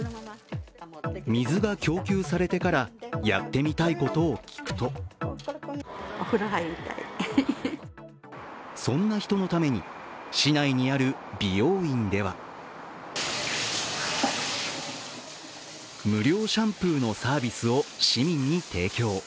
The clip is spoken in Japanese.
水が供給されてから、やってみたいことを聞くとそんな人のために、市内にある美容院では無料シャンプーのサービスを市民に提供。